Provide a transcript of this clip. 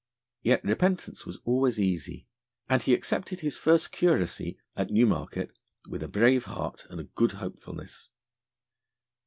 Yet repentance was always easy, and he accepted his first curacy, at Newmarket, with a brave heart and a good hopefulness.